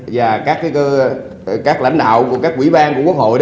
và các lãnh đạo của các quỹ ban của quốc hội